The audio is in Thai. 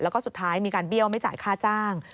แล้วก็สุดท้ายมีการเบี้ยวไม่จ่ายค่าจ้าง